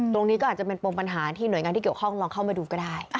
ตรงนี้ก็อาจจะเป็นปมปัญหาที่หน่วยงานที่เกี่ยวข้องลองเข้ามาดูก็ได้